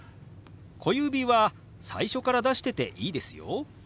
小指は最初から出してていいですよ。